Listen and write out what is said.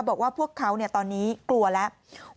บอกว่าพวกเขาตอนนี้กลัวแล้ว